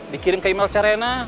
dikirim ke email serena